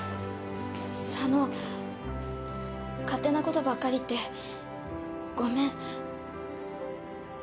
佐野勝手なことばっかり言ってごめん。